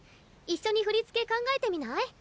一緒に振り付け考えてみない？